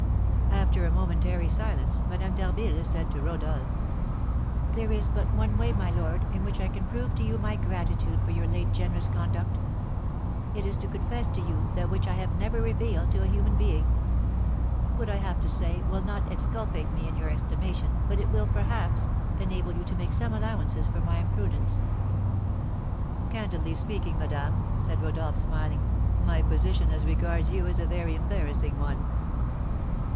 After a momentary silence, Madame d'Harville said to Rodolph: "There is but one way, my lord, in which I can prove to you my gratitude for your late generous conduct. It is to confess to you that which I have never revealed to a human being. What I have to say will not exculpate me in your estimation, but it will, perhaps, enable you to make some allowances for my imprudence." "Candidly speaking, madame," said Rodolph, smiling, "my position as regards you is a very embarrassing one."